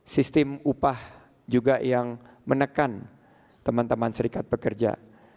sistem upah juga yang menekan teman teman serikat pekerja